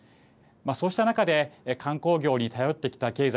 そうした中で観光業に頼ってきた経済